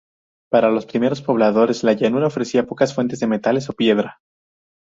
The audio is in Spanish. Para los primeros pobladores, la llanura ofrecía pocas fuentes de metales o piedra.